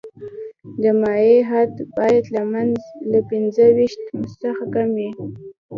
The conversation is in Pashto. د مایع حد باید له پنځه ویشت څخه کم وي